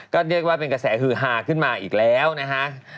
ก็เรียกว่าเป็นกระแสฮือฮาขึ้นมาอีกแล้วนะฮะ